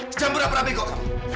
jangan berapa apa gok